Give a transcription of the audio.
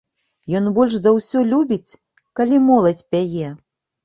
Ён больш за ўсё любіць, калі моладзь пяе.